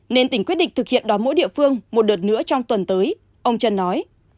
nên tỉnh quyết định thực hiện đón mỗi địa phương một đợt nữa trong tuần tới ông trân nói